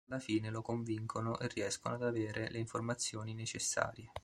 Alla fine lo convincono e riescono ad avere le informazioni necessarie.